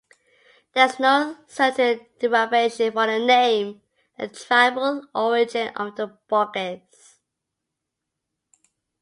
There is no certain derivation for the name and tribal origin of the Bryges.